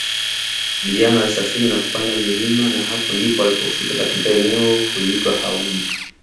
vijana walisafiri na kupanda milima na hapo ndipo walipofika katika eneo huitwa Haubi